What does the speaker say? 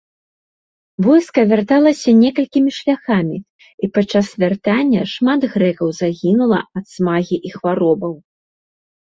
Войска вярталася некалькімі шляхамі, і падчас вяртання шмат грэкаў загінула ад смагі і хваробаў.